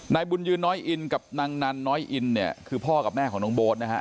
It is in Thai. นายบุญยืนน้อยอินกับนางนันน้อยอินเนี่ยคือพ่อกับแม่ของน้องโบ๊ทนะฮะ